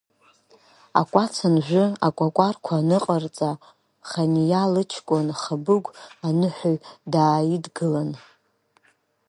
Акәац анжәы, акәакәарқәа аныҟарҵа, Ханиа лыҷкәын Хабыгә аныҳәаҩ дааидгылан…